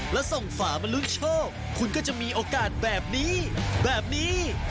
แล้วส่งฝามาลุ้นโชคคุณก็จะมีโอกาสแบบนี้แบบนี้